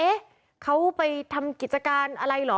เอ๊ะเขาไปทำกิจการอะไรเหรอ